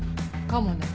かもね。